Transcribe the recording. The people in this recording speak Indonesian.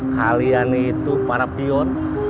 kalian itu para pion